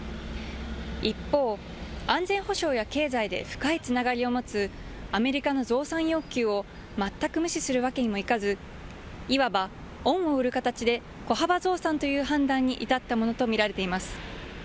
一方、安全保障や経済で深いつながりを持つアメリカの増産要求を全く無視するわけにもいかず、いわば恩を売る形で、小幅増産という判断に至ったものと見られています。